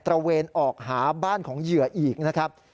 ระเวนออกหาบ้านของเหยื่ออีกนะครับ